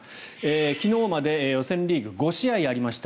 昨日まで予選リーグ５試合ありました。